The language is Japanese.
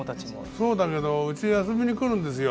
そうだけどうちに遊びに来るんですよ